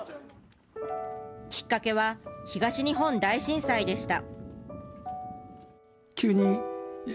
きっかけは東日本大震災でした。